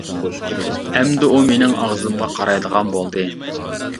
ئەمدى ئۇ مېنىڭ ئاغزىمغا قارايدىغان بولدى.